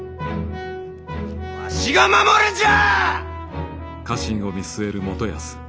わしが守るんじゃあ！